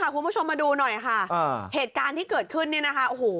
คุณผู้ชมมาดูหน่อยค่ะเหตุการณ์ที่เกิดขึ้นเนี่ยนะคะโอ้โห